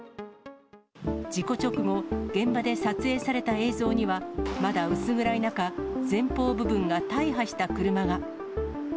事故直後、現場で撮影された映像には、まだ薄暗い中、前方部分が大破した車が。